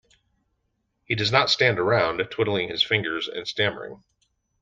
He does not stand around, twiddling his fingers and stammering.